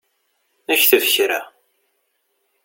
Kteb kra!